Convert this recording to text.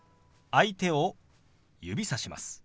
相手を指さします。